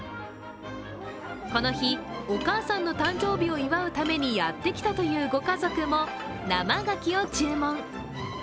この日、お母さんの誕生日を祝うためにやってきたというご家族も生がきを注文。